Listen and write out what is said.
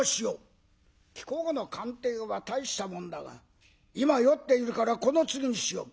「貴公の鑑定は大したもんだが今酔っているからこの次にしよう」。